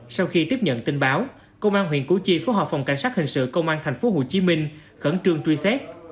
sau khi tiếp nhận tin báo công an huyện củ chi phối hợp phòng cảnh sát hình sự công an tp hcm khẩn trương truy xét